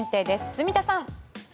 住田さん。